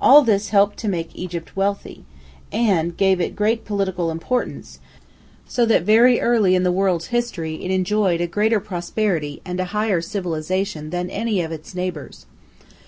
All this helped to make Egypt wealthy, and gave it great political importance, so that very early in the world's history it enjoyed a greater prosperity and a higher civilization than any of its neighbours.